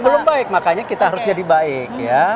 belum baik makanya kita harus jadi baik